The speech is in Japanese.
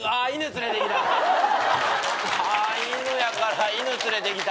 あ犬やから犬連れてきた。